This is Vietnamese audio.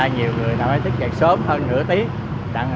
nhiều người thích chạy sớm hơn nửa tiếng